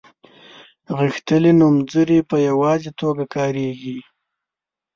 غښتلي نومځري په یوازې توګه کاریږي.